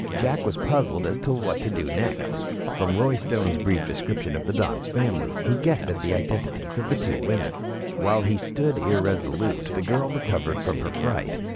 Jack was puzzled as to what next to do. From Roy Stone's brief description of the Don's family, he guessed at the identities of the two women. While he stood irresolute, the girl recovered from her fright.